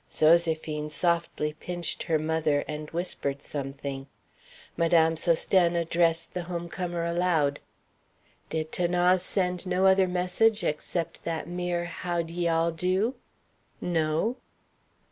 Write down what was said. Zoséphine softly pinched her mother, and whispered something. Madame Sosthène addressed the home comer aloud: "Did 'Thanase send no other message except that mere 'How d'ye all do?'" "No."